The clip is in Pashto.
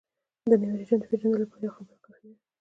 د نوي رژیم د پېژندلو لپاره یوه خبره کافي ده.